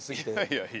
いやいや。